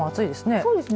そうですね。